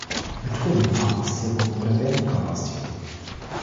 Methoden wie Kompostierung oder Vermicompostierung.